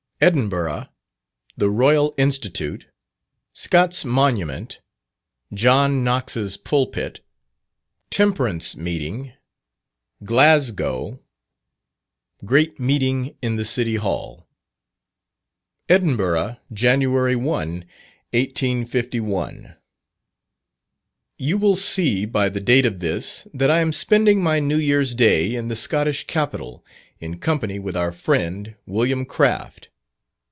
_Edinburgh The Royal Institute Scott's Monument John Knox's Pulpit Temperance Meeting Glasgow Great Meeting in the City Hall._ EDINBURGH, January 1, 1851. You will see by the date of this that I am spending my New Year's Day in the Scottish Capital, in company with our friend, William Craft.